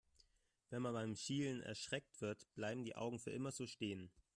Wenn man beim Schielen erschreckt wird, bleiben die Augen für immer so stehen.